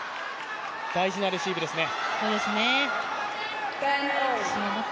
大事なレシーブですね。